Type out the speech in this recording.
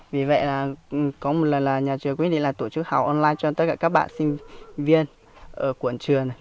vì vậy là có một lần là nhà trường quyết định là tổ chức học online cho tất cả các bạn sinh viên ở quận trường